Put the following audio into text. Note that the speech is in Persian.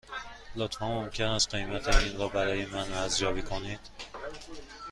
لطفاً ممکن است قیمت این را برای من ارزیابی کنید؟